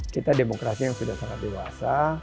kita demokrasi yang sudah sangat dewasa